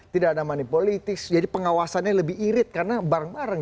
tidak ada money politics jadi pengawasannya lebih irit karena bareng bareng